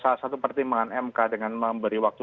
salah satu pertimbangan mk dengan memberi waktu